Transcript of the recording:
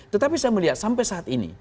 tetapi saya melihat sampai saat ini